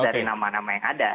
dari nama nama yang ada